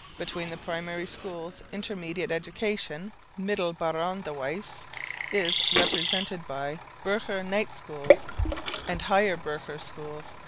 Between the primary schools intermediate education (middelbaaronderwijs) is represented by "burgher night schools" and "higher burgher schools."